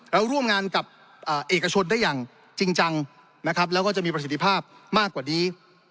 แล้วร่วมงานกับเอกชนได้อย่างจริงจังนะครับแล้วก็จะมีประสิทธิภาพมากกว่านี้